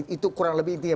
itu kurang lebih intinya